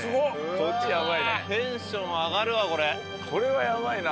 これはやばいな。